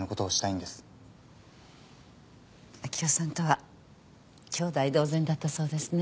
明生さんとは兄弟同然だったそうですね。